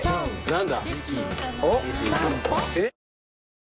何だ？